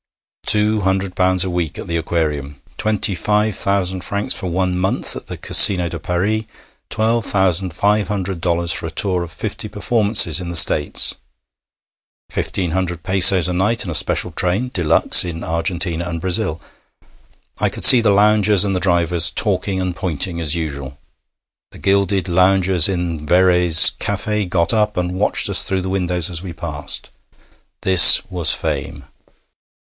Two hundred pounds a week at the Aquarium! Twenty five thousand francs for one month at the Casino de Paris! Twelve thousand five hundred dollars for a tour of fifty performances in the States! Fifteen hundred pesos a night and a special train de luxe in Argentina and Brazil! I could see the loungers and the drivers talking and pointing as usual. The gilded loungers in Verrey's café got up and watched us through the windows as we passed. This was fame.